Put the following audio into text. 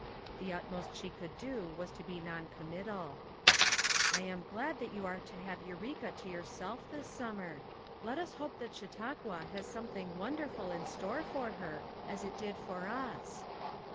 The utmost she could do was to be non committal. "lam glad that you are to have Eureka to yourself this summer. Let us hope that Chau tauqua has something wonderful in store for her, as it had for us."